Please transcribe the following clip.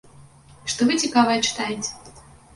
Што вы цікавае чытаеце?